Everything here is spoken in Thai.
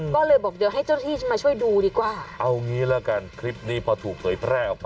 ก็เลยบอกเดี๋ยวให้เจ้าที่มาช่วยดูดีกว่าเอางี้ละกันคลิปนี้พอถูกเผยแพร่ออกไป